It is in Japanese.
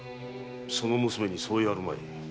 その娘に相違あるまい。